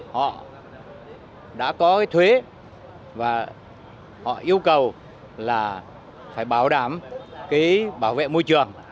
họ đã có cái thuế và họ yêu cầu là phải bảo đảm cái bảo vệ môi trường